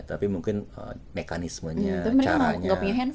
tapi mungkin mekanismenya caranya